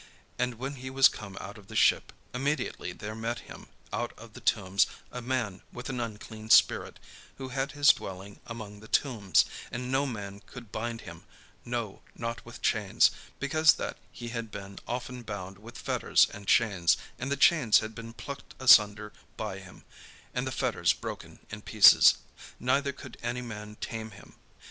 And when he was come out of the ship, immediately there met him out of the tombs a man with an unclean spirit, who had his dwelling among the tombs; and no man could bind him, no, not with chains: because that he had been often bound with fetters and chains, and the chains had been plucked asunder by him, and the fetters broken in pieces: neither could any man tame him.